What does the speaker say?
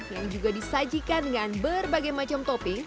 yang juga disajikan dengan berbagai macam topping